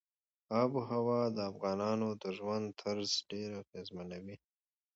آب وهوا د افغانانو د ژوند طرز ډېر اغېزمنوي.